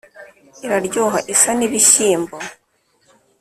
iraryoha isa n' ibishyimbo :